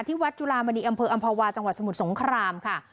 วัดจุลามณีอำเภออำภาวาจังหวัดสมุทรสงครามค่ะ